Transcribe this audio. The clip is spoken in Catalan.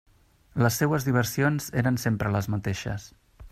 Les seues diversions eren sempre les mateixes.